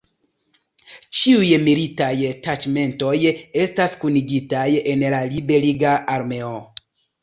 Ĉiuj militaj taĉmentoj estas kunigitaj en la Liberiga Armeo.